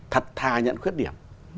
thật tha nhận khuyết điểm